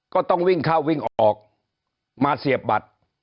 ก็ต้องวิ่งเข้าวิ่งออกมาเสียบบัตร